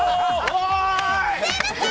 すみません！